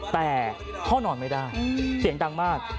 แต่พ่อนอนไม่ได้เสียงดังมาก